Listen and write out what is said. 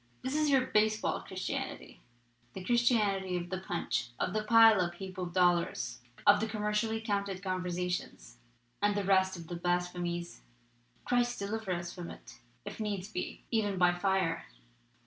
This is your baseball Christianity, the Christianity of the 'punch,' of the piled up heap of dollars, of the commercially counted 'con versions ' and the rest of the blasphemies ! Christ deliver us from it, if needs be, even by fire!